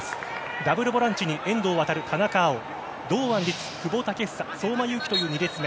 ダブルボランチに遠藤航、田中碧、堂安律久保建英相馬勇紀という２列目。